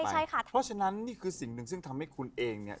เพราะฉะนั้นนี่คือสิ่งหนึ่งซึ่งทำให้คุณเองเนี่ย